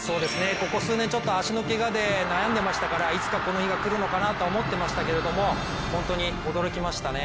ここ数年、足のけがで悩んでましたからいつかこの日が来るのかなと思っていましたけども本当に驚きましたね